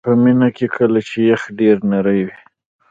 په مني کې کله چې یخ ډیر نری وي